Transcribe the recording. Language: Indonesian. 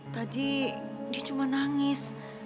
tadi dia cuma nangis